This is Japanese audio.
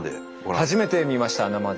初めて見ました生で。